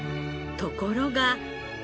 ところが。